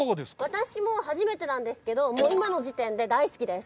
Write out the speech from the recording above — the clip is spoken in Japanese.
私も初めてなんですけど今の時点で大好きです。